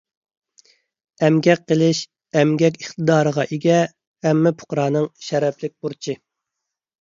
ئەمگەك قىلىش — ئەمگەك ئىقتىدارىغا ئىگە ھەممە پۇقرانىڭ شەرەپلىك بۇرچى.